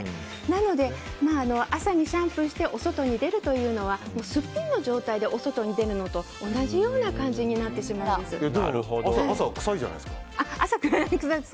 なので、朝にシャンプーしてお外に出るのはすっぴんの状態でお外に出るのと同じような感じにでも朝、臭いじゃないですか。